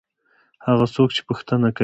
هغه څوک چې پوښتنه کوي.